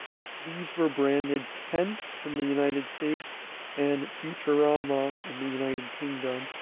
These were branded "Kent" in the United States and "Futurama" in the United Kingdom.